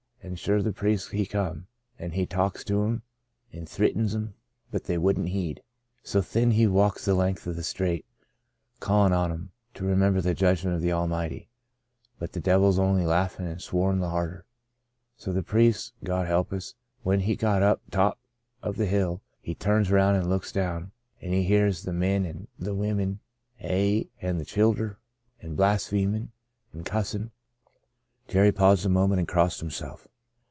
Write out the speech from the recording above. An' shure the priest he come, an' he talks to 'em, an' thritins 'em, but they wouldn't heed. So thin he walks the length of the strate, callin' on 'em to remimber the judgments of the Almighty. But the divils on'y laughed an' swore the harder. So the priest — Gawd help us — whin he got to the top ov the hill, he turns round and looks down it an' he hears the min an' the wimmen, aye, an' the childher, all blasphemin' an' cussin'." Jerry paused a moment and crossed himself.